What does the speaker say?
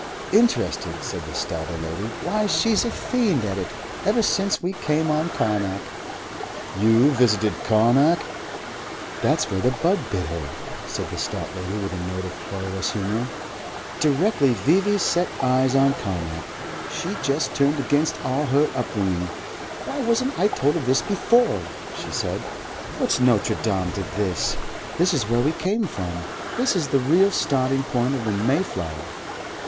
"Interested!" said the stouter lady. "Why! She's a fiend at it. Ever since we came on Carnac." "You've visited Carnac?" "That's where the bug bit her." said the stout lady with a note of querulous humour. "Directly V.V. set eyes on Carnac, she just turned against all her up bringing. 'Why wasn't I told of this before?' she said. 'What's Notre Dame to this? This is where we came from. This is the real starting point of the MAYFLOWER.